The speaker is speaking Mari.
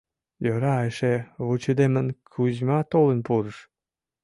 Йӧра эше вучыдымын Кузьма толын пурыш.